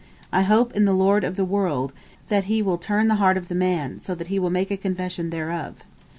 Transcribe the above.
I hope in the Lord of the world, that He will turn the heart of the man, so that he will make confession thereof."